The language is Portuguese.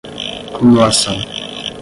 cumulação